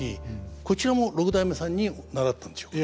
こちらも六代目さんに習ったんでしょうか？